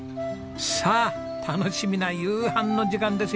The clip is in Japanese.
さあ楽しみな夕飯の時間ですよ！